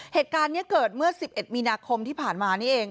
เหตุการณ์นี้เกิดเมื่อ๑๑มีนาคมที่ผ่านมานี่เอง